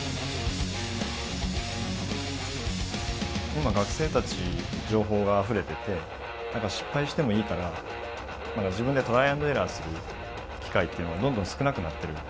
今学生たち情報があふれてて何か失敗してもいいから自分でトライ＆エラーする機会っていうのがどんどん少なくなってる。